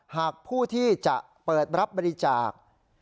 หากผู้ที่จะเปิดรับบริจาค